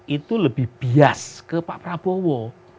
itu lebih bias ke pak prabowo